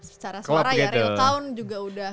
secara suara ya real count juga udah